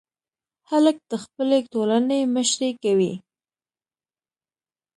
هلک د خپلې ټولنې مشري کوي.